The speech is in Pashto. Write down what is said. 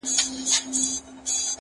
په يو تن كي سل سرونه سل غليمه!!